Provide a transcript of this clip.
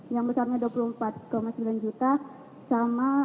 yang besarnya dua puluh empat sembilan juta sama